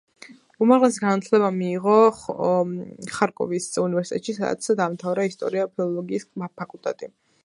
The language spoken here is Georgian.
უმაღლესი განათლება მიიღო ხარკოვის უნივერსიტეტში, სადაც დაამთავრა ისტორია-ფილოლოგიის ფაკულტეტი.